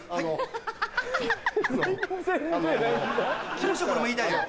気持ち良く俺も言いたいのよ。